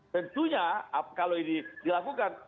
tentunya kalau ini dilakukan